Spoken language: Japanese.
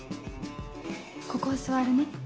ここ座るね。